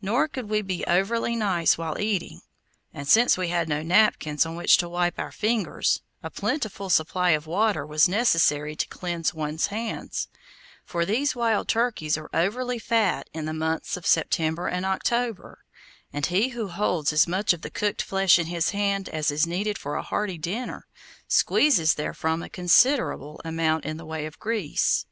Nor could we be overly nice while eating, and since we had no napkins on which to wipe our fingers, a plentiful supply of water was necessary to cleanse one's hands, for these wild turkeys are overly fat in the months of September and October, and he who holds as much of the cooked flesh in his hand as is needed for a hearty dinner, squeezes therefrom a considerable amount in the way of grease.